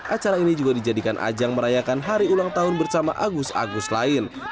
acara ini juga dijadikan ajang merayakan hari ulang tahun bersama agus agus lain